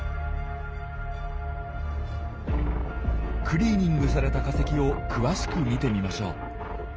クリーニングされた化石を詳しく見てみましょう。